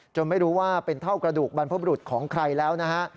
ไม่รู้ว่าเป็นเท่ากระดูกบรรพบรุษของใครแล้วนะฮะ